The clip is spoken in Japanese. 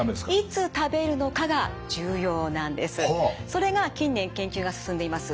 それが近年研究が進んでいます